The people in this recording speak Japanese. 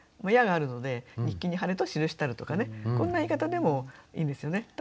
「や」があるので「日記に晴れと記したる」とかねこんな言い方でもいいんですよね。